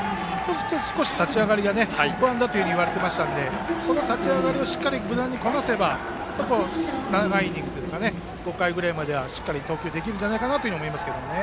少し立ち上がりが不安だといわれていましたので立ち上がりをしっかり無難にこなせば長いイニングというか５回くらいまではしっかり投球できるかと思いますけどね。